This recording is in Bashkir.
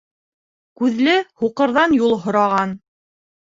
Күҙле һуҡырҙан юл һораған.